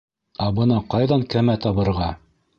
- Ә бына ҡайҙан кәмә табырға?